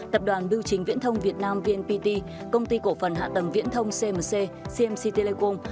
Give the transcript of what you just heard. tập đoàn bưu chính viễn thông việt nam vnpt công ty cổ phần hạ tầng viễn thông cmc cmc telecom